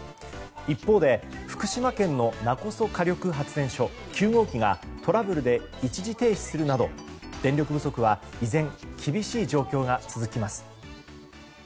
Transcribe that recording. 一方で福島県の勿来火力発電所９号機がトラブルで一時停止するなど電力不足は依然、厳しい状況が続きます。